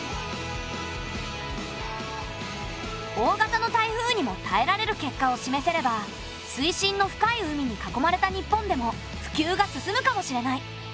大型の台風にもたえられる結果を示せれば水深の深い海に囲まれた日本でもふきゅうが進むかもしれない。